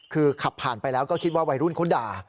คือขับผ่านไปแล้วก็คิดว่าวัยรุ่นเขาด่า